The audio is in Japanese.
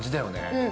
うん。